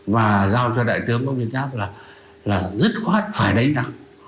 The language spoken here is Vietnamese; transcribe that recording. và giao cho đại tướng bác biên giáp là dứt khoát phải đánh đắng